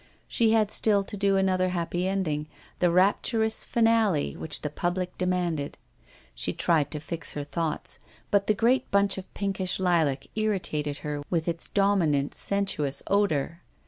She had still to do the happy ending, the rapturous finale which the public demanded. She tried to fix her thoughts, but the great bunch of ^ 318 THE STORY OF A MODERN WOMAN. pinkish lilac irritated her with its dominant, sensuous odour.